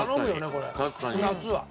これ夏は。